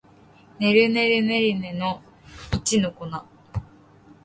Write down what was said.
ねるねるねるねの一の粉